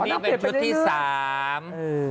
อันนี้เป็นชุดที่สาม